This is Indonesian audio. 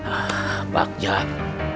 ah pak jah